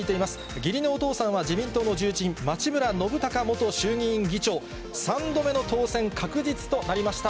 義理のお父さんは、自民党の重鎮、町村信孝元衆議院議長、３度目の当選確実となりました。